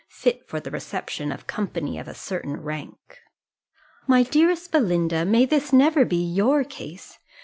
fit for the reception of company of a certain rank. My dearest Belinda, may this never be your case!